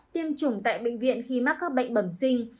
tiêm chủng tại bệnh viện khi mắc các bệnh bẩm sinh